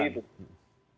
bukan taat pada atasan